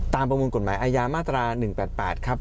ประมวลกฎหมายอาญามาตรา๑๘๘ครับ